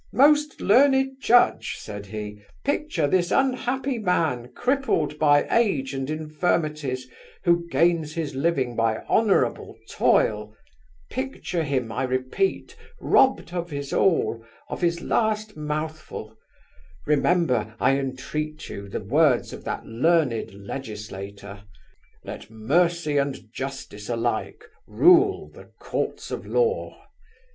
'Most learned judge!' said he, 'picture this unhappy man, crippled by age and infirmities, who gains his living by honourable toil—picture him, I repeat, robbed of his all, of his last mouthful; remember, I entreat you, the words of that learned legislator, "Let mercy and justice alike rule the courts of law."